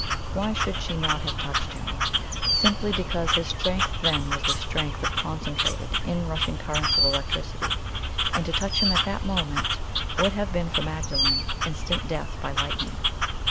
Why should she not have touched Him? Simply because His strength then was the strength of concentrated in rushing currents of electricity; and to touch him at that moment would have been for Magdalene instant death by lightning.